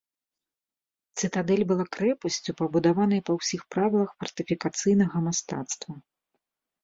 Цытадэль была крэпасцю, пабудаванай па ўсіх правілах фартыфікацыйнага мастацтва.